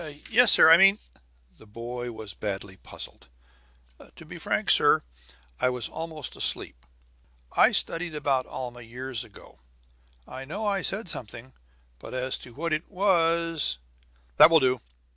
"Yes, sir. I mean " The boy was badly puzzled. "To be frank, sir, I was almost asleep. I studied about Alma years ago. I know I said something, but as to what it was " "That will do."